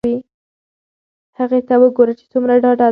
هغې ته وگوره چې څومره ډاډه ده.